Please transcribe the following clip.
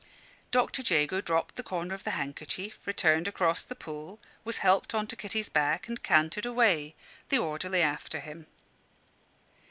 Doctor Jago dropped the corner of the handkerchief, returned across the pool, was helped on to Kitty's back and cantered away, the orderly after him.